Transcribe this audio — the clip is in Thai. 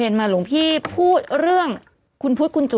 มาหลวงพี่พูดเรื่องคุณพุทธคุณจุ